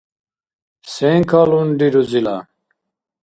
Сен калунри, рузила?